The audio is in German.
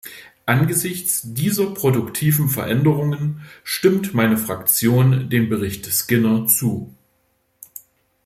Angesichts dieser produktiven Veränderungen stimmt meine Fraktion dem Bericht Skinner zu.